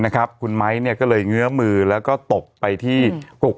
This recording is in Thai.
นะครับคุณไม้เนี่ยก็เลยเงื้อมือแล้วก็ตบไปที่กรก